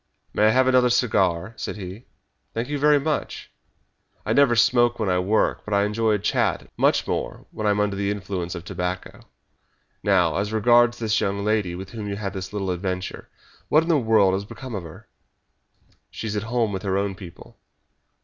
"May I have another cigar?" said he. "Thank you very much! I never smoke when I work, but I enjoy a chat much more when I am under the influence of tobacco. Now, as regards this young lady, with whom you had this little adventure. What in the world has become of her?" "She is at home with her own people."